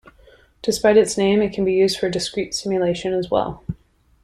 Despite its name it can be used for discrete simulation as well.